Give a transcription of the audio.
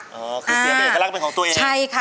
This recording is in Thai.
สวัสดีครับ